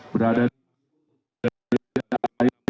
berada di dunia ini